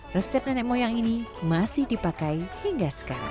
resep nenek moyang ini masih dipakai hingga sekarang